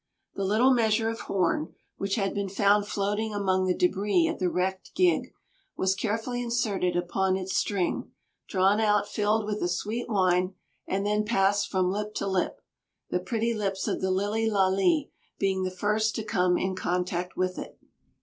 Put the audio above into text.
The little measure of horn, which had been found floating among the debris of the wrecked gig, was carefully inserted upon its string, drawn out filled with the sweet wine, and then passed from lip to lip, the pretty lips of the Lilly Lalee being the first to come in contact with it.